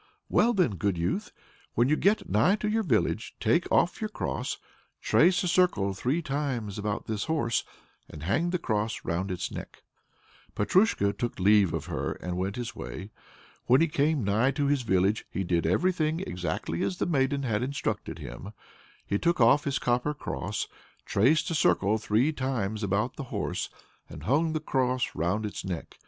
"Well then, good youth, when you get nigh to your village, take off your cross, trace a circle three times about this horse, and hang the cross round its neck." Petrusha took leave of her and went his way. When he came nigh to his village he did everything exactly as the maiden had instructed him. He took off his copper cross, traced a circle three times about the horse, and hung the cross round its neck.